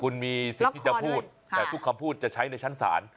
คุณมีสิทธิ์ที่จะพูดแต่ทุกคำพูดจะใช้ในชั้นศาล